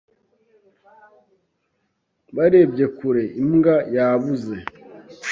Barebye kure imbwa yabuze.